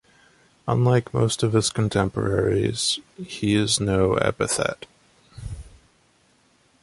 Unlike most of his contemporaries, he has no epithet.